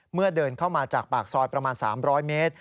เดินเข้ามาจากปากซอยประมาณ๓๐๐เมตร